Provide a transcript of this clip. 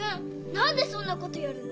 なんでそんなことやるの！？